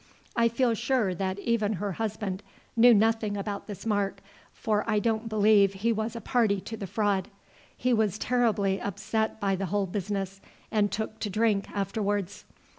I feel sure that even her husband knew nothing about this mark, for I don't believe he was a party to the fraud. He was terribly upset by the whole business, and took to drink afterwards.